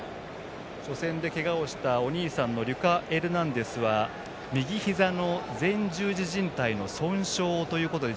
初戦でけがをしたお兄さんのリュカ・エルナンデスは右ひざの前十字じん帯の損傷ということで